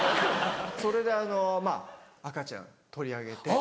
それであのまぁ赤ちゃん取り上げて。